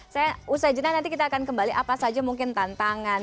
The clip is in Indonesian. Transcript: saya usai jeda nanti kita akan kembali apa saja mungkin tantangan